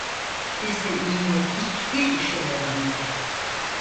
Bizde iyi niyet hiçbir işe yaramıyor!